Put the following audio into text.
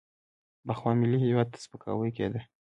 پخوا ملي هویت ته سپکاوی کېده.